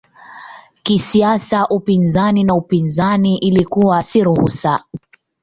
Kisiasa upinzani na upinzani ilikuwa si ruhusa.